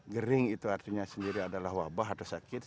gering itu artinya sendiri adalah wabah atau sakit